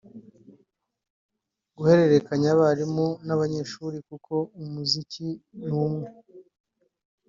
guhererekanya abarimu n’abanyeshuri kuko umuziki ni umwe